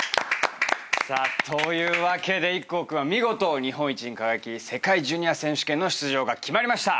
さあというわけで壱孔君は見事日本一に輝き世界ジュニア選手権の出場が決まりました。